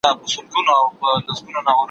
چي منگول ته مو جوړ کړی عدالت دئ